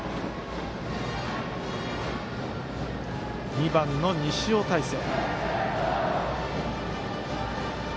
２番の西尾太晴。